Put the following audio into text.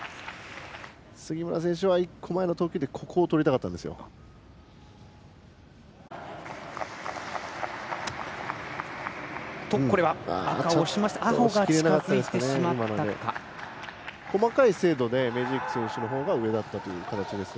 杉村選手は１個前の投球でここを取りたかったんですよ。